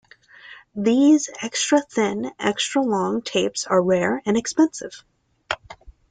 These extra-thin, extra-long tapes are rare and expensive.